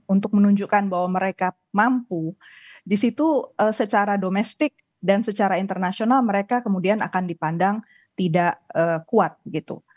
untuk menunjukkan bahwa mereka mampu disitu secara domestik dan secara internasional mereka kemudian akan dipandang tidak kuat gitu